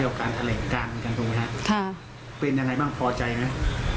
แล้วการทะเลกานค์กันพูดไหมครับค่ะเป็นยังไงบ้างพอใจไหม